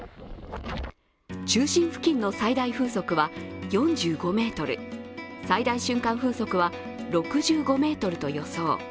中心付近の最大風速は４５メートル、最大瞬間風速は６５メートルと予想。